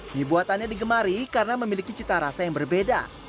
mie buatannya digemari karena memiliki cita rasa yang berbeda